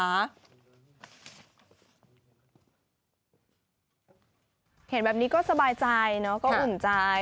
เห็นแบบนี้ก็สบายใจเนอะก็อุ่นใจ